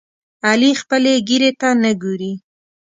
علي خپلې ګیرې ته نه ګوري.